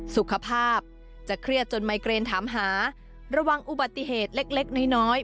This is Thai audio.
สุขภาพจะเครียดจนไมเกรนถามหาระวังอุบัติเหตุเล็กน้อย